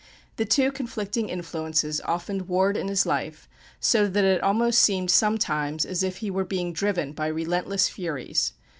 The two conflicting influences often warred in his life, so that it almost seemed sometimes as if he were being driven by relentless furies.